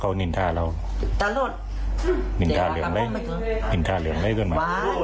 กว้างมันยาก